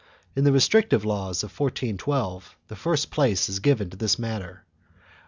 In the restrictive laws of 1412, the first place is given to this matter.